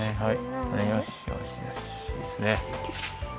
はい！